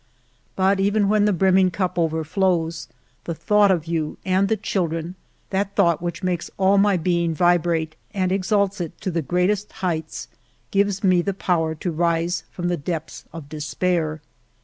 But even when the brim ming cup overflows, the thought of you and the children — that thought which makes all my being vibrate and exalts it to the greatest heights — gives me the power to rise from the depths of despair.